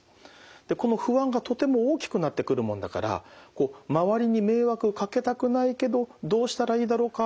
でこの不安がとても大きくなってくるもんだから周りに迷惑をかけたくないけどどうしたらいいだろうか。